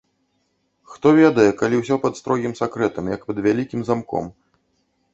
Хто ведае, калі ўсё пад строгім сакрэтам, як пад вялікім замком.